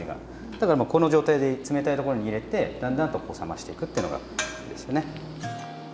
だからこの状態で冷たいところに入れてだんだんとこう冷ましていくってのがいいですよね。